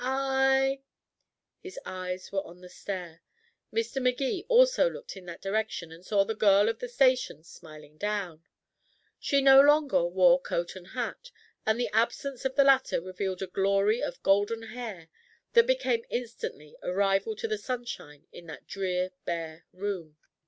"I " His eyes were on the stair. Mr. Magee also looked in that direction and saw the girl of the station smiling down. She no longer wore coat and hat, and the absence of the latter revealed a glory of golden hair that became instantly a rival to the sunshine in that drear bare room.